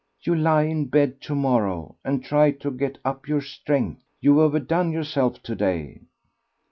"You lie in bed to morrow, and try to get up your strength. You've overdone yourself to day."